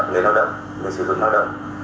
người lao động người sử dụng lao động